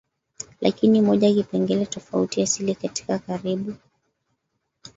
Lakini moja kipengele tofauti asili katika karibu